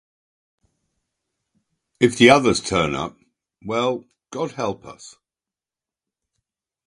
If the others turn up — well, God help us all!